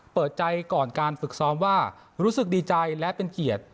เปิดใจก่อนการฝึกซ้อมว่ารู้สึกดีใจและเป็นเกียรติ